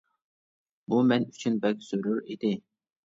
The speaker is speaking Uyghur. بۇ مەن ئۈچۈن بەك زۆرۈر ئىدى.